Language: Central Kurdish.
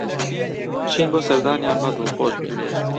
بچین بۆ سەردانیان با دڵخۆش بین